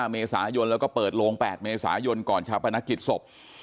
เมษายนแล้วก็เปิดโลง๘เมษายนก่อนชาวพนักกิจศพ